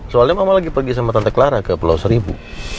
soalnya mama lagi pergi sama tante clara ke pulau seribu